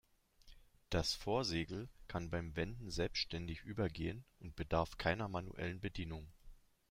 Das Vorsegel kann beim Wenden selbsttätig übergehen und bedarf keiner manuellen Bedienung.